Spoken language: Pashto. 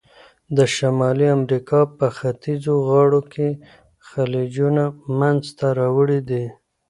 د شمالي امریکا په ختیځو غاړو کې خلیجونه منځته راوړي دي.